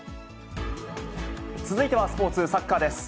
続いてはスポーツ、サッカーです。